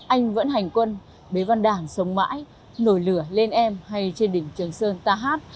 anh vẫn hành quân bế văn đảng sống mãi nổi lửa lên em hay trên đỉnh trường sơn ta hát